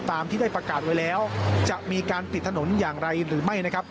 ตามที่ได้ประกาศไว้แล้วจะมีการปิดถนนอย่างไรหรือไม่นะครับ